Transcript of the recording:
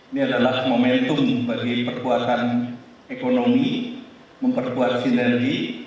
ini adalah momentum bagi perbuatan ekonomi memperbuat sinergi